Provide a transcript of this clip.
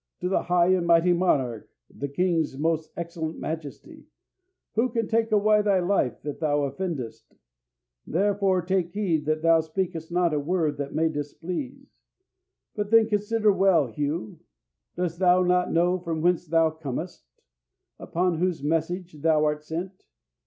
To the high and mighty monarch, the king's most excellent majesty, who can take away thy life if thou offendest. Therefore, take heed that thou speakest not a word that may displease. But, then, consider well, Hugh, dost thou not know from whence thou comest? Upon whose message thou art sent?